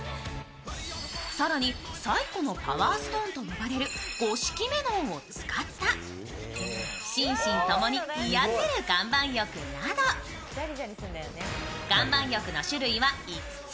更に最古のパワーストーンと呼ばれる五色めのうを使った心身共に癒やせる岩盤浴など、岩盤浴の種類は５つ。